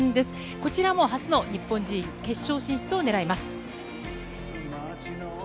こちらも初の日本人決勝進出をねらいます。